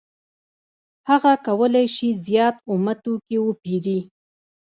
هغه کولای شي زیات اومه توکي وپېري